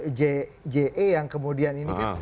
ibu je yang kemudian ini kan